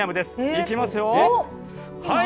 いきますよ、はい。